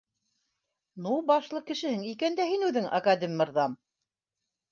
Ну башлы кешеһең икән дә һин үҙең, академ мырҙа